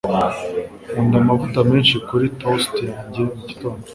Nkunda amavuta menshi kuri toast yanjye mugitondo.